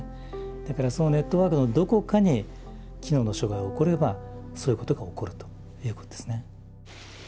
だからそのネットワークのどこかに機能の障害が起こればそういうことが起こるということですね。